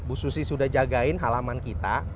bu susi sudah jagain halaman kita